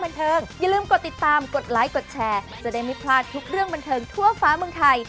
ไม่พลาดทุกเรื่องบันเทิงทั่วฟ้าเมืองไทย